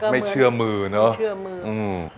ไม่เชื่อมือเนอะ